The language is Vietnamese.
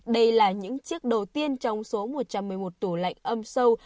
đây là những chiếc đầu tiên trong số một trăm một mươi một tủ lạnh âm sâu